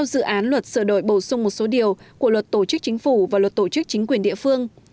sửa đổi bổ sung một số điều của luật tổ chức chính phủ và luật tổ chức chính quyền địa phương